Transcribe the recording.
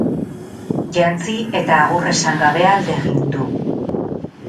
Jantzi, eta agur esan gabe alde egin du.